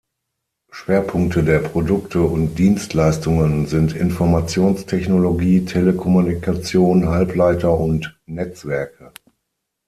Schwerpunkte der Produkte und Dienstleistungen sind Informationstechnologie, Telekommunikation, Halbleiter und Netzwerke.